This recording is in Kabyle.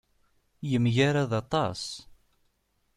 Yemgarad aṭas.